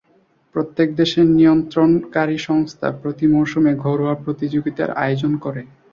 প্রত্যেক দেশের নিয়ন্ত্রণকারী সংস্থা প্রতি মৌসুমে ঘরোয়া প্রতিযোগিতার আয়োজন করে।